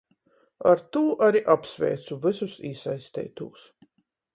Ar tū ari apsveicu vysus īsaisteitūs.